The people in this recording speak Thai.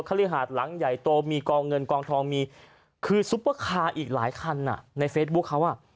ฤหาดหลังใหญ่โตมีกองเงินกองทองมีคือซุปเปอร์คาร์อีกหลายคันในเฟซบุ๊คเขาอ่ะ